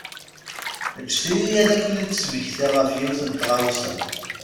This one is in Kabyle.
Eǧǧet-iyi ad ken-id-smektiɣ ɣef yiwet n tɣawsa.